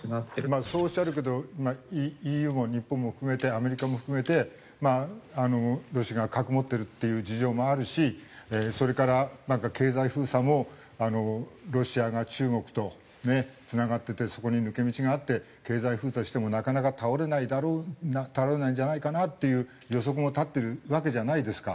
まあそうおっしゃるけどＥＵも日本も含めてアメリカも含めてロシアが核持ってるっていう事情もあるしそれから経済封鎖もロシアが中国とつながっててそこに抜け道があって経済封鎖してもなかなか倒れないんじゃないかなっていう予測も立ってるわけじゃないですか。